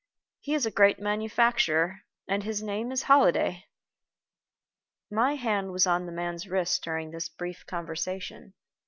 "He is a great manufacturer, and his name is Holliday." My hand was on the man's wrist during this brief conversation.